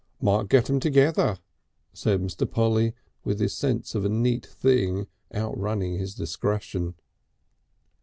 "Might get 'em together," said Mr. Polly, with his sense of a neat thing outrunning his discretion.